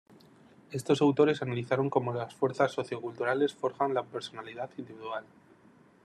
Estos autores analizaron cómo las fuerzas socio-culturales forjan la personalidad individual.